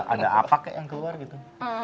ada apa kek yang keluar gitu